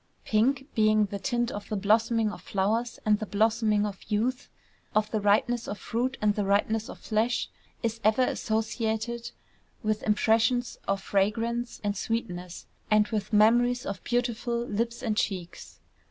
Pink, being the tint of the blossoming of flowers and the blossoming of youth, of the ripeness of fruit and the ripeness of flesh, is ever associated with impressions of fragrance and sweetness, and with memories of beautiful lips and cheeks.